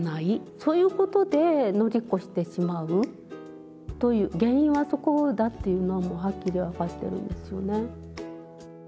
そういうことで乗り越してしまうという原因はそこだっていうのはもうはっきり分かってるんですよね。